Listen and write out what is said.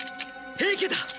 平家だ！